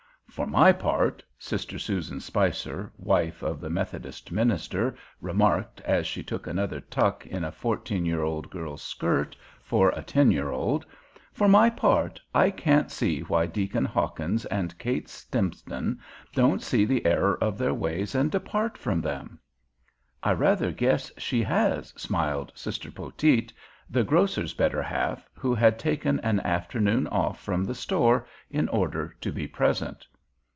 "For my part," Sister Susan Spicer, wife of the Methodist minister, remarked as she took another tuck in a fourteen year old girl's skirt for a ten year old—"for my part, I can't see why Deacon Hawkins and Kate Stimson don't see the error of their ways and depart from them." "I rather guess she has," smiled Sister Poteet, the grocer's better half, who had taken an afternoon off from the store in order to be present.